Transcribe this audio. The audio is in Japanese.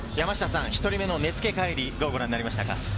１人目の根附海龍、どうご覧になりましたか？